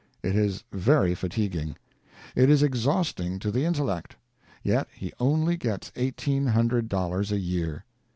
It is very fatiguing. It is exhausting to the intellect. Yet he only gets eighteen hundred dollars a year.